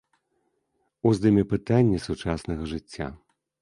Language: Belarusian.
Уздыме пытанні сучаснага жыцця.